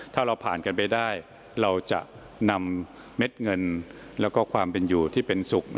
ถ้าเราผ่านกันไปได้เราจะนำเม็ดเงินและความเป็นอยู่ที่เป็นสุข